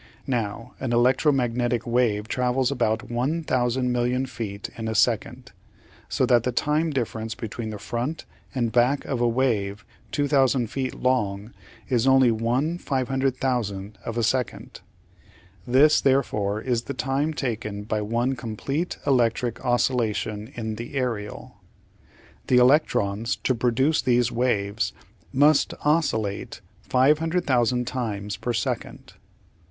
Now an electro magnetic wave travels about 1,000 million feet in a second, so that the time difference between the front and back of a wave 2,000 feet long is only 1/500,000 of a second. This, therefore, is the time taken by one complete electric oscillation in the aerial. The electrons, to produce these waves, must oscillate 500,000 times per second.